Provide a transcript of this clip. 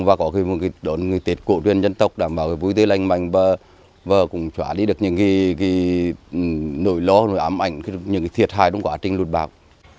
và có khi đón người tết cổ tuyên dân tộc đảm bảo vui tươi lành mạnh và cũng trả lý được những nỗi lo nỗi ám ảnh những thiệt hại đúng quá trình lụt bạc